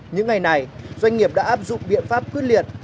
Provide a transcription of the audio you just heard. những ngày này doanh nghiệp đã áp dụng biện pháp quyết liệt